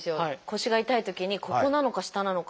腰が痛いときにここなのか下なのか。